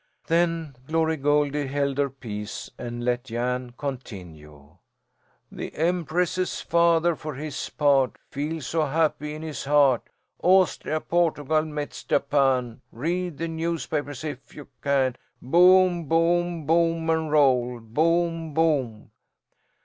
Then Glory Goldie held her peace and let Jan continue: "The Empress's father, for his part, Feels so happy in his heart. Austria, Portugal, Metz, Japan, Read the newspapers, if you can. Boom, boom, boom, and roll. Boom, boom."